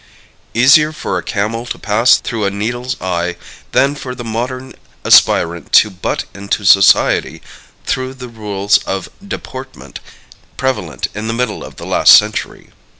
Easier for a Camel to Pass Through a Needle's Eye Than for the Modern Aspirant to Butt into Society Through the Rules of Deportment Prevalent in the Middle of the Last Century.